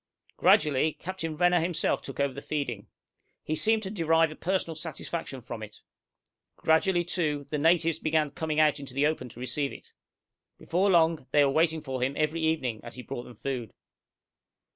Gradually, Captain Renner himself took over the feeding. He seemed to derive a personal satisfaction from it. Gradually, too, the natives began coming out into the open to receive it. Before long, they were waiting for him every evening as he brought them food.